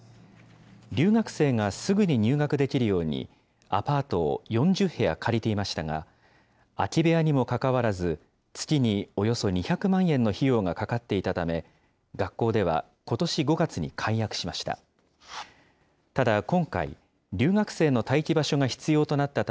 留学生がすぐに入学できるようにアパートを４０部屋借りていましたが、空き部屋にもかかわらず、月におよそ２００万円の費用がかかっていたため、学校ではことし５月に解約しました。